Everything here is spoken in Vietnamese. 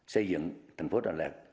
xây dựng thành phố đà lạt